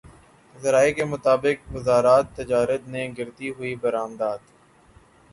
ذرائع کے مطابق وزارت تجارت نے گرتی ہوئی برآمدات